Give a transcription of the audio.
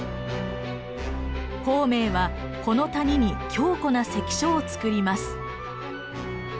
孔明はこの谷に強固な関所をつくります。